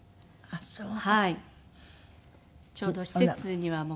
ああそう。